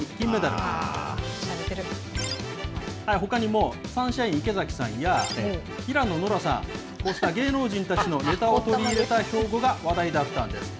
ほかにも、サンシャイン池崎さんや、平野ノラさん、こうした芸能人たちのねたを取り入れた標語が話題だったんです。